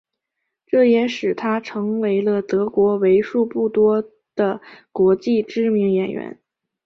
这也使他成为了德国为数不多的国际知名的演员。